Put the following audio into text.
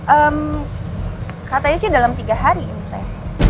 ehm katanya sih dalam tiga hari sayang